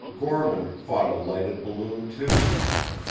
Gorman fought a lighted balloon too.